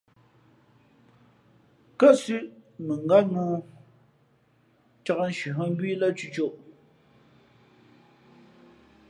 Kάsʉ̄ʼ mαngát mōō, cāk nshi hᾱ mbū î lά cʉ̌côʼ.